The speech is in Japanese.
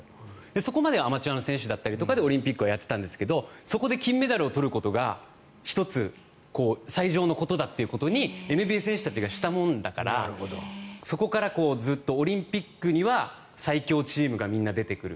そこまではアマチュアの選手だったりとかでオリンピックはやってたんですがそこで金メダルを取ることが１つ最上のことだということにＮＢＡ選手たちがしたものだからそこからずっとオリンピックには最強チームがみんな出てくる。